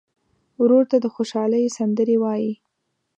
ورور ته د خوشحالۍ سندرې وایې.